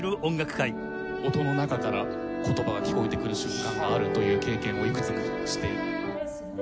音の中から言葉が聞こえてくる瞬間があるという経験をいくつもして。